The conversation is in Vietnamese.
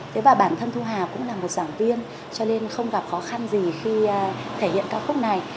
thế và bản thân thu hà cũng là một giảng viên cho nên không gặp khó khăn gì khi thể hiện ca khúc này